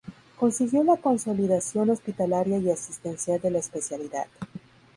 Consiguió la consolidación hospitalaria y asistencial de la especialidad.